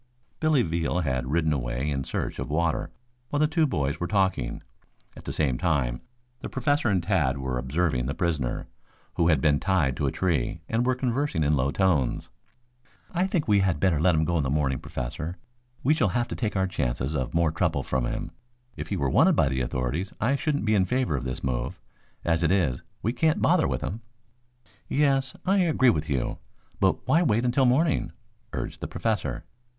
Billy Veal had ridden away in search of water while the two boys were talking. At the same time the Professor and Tad were observing the prisoner, who had been tied to a tree, and were conversing in low tones. "I think we had better let him go in the morning, Professor. We shall have to take our chances of more trouble from him. If he were wanted by the authorities, I shouldn't be in favor of this move. As it is, we can't bother with him." "Yes, I agree with you. But why wait until morning?" urged the Professor.